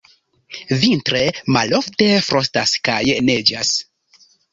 Vintre malofte frostas kaj neĝas.